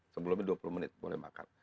sebelumnya dua puluh menit boleh makan